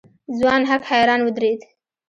ځوان هک حيران ودرېد.